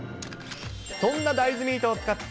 そんな大豆ミートを使って、